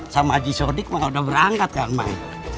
sama haji sodik mah udah berangkat kan mai